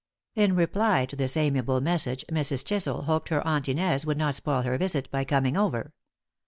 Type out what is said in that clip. In reply to this amiable message Mrs. Chisel hoped her aunt Inez would not spoil her visit by coming over.